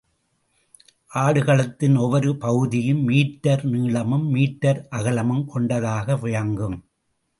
ஆடுகளத்தின் ஒவ்வொரு பகுதியும் மீட்டர் நீளமும் மீட்டர் அகலமும் கொண்டதாக விளங்கும்.